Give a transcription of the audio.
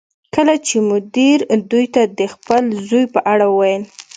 کله چې مدیر دوی ته د خپل زوی په اړه وویل